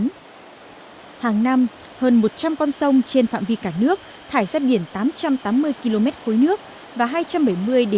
hàng năm hơn một trăm linh con sông trên phạm vi cả nước thải ra biển tám trăm tám mươi km khối nước và hai trăm bảy mươi ba trăm linh km khối nước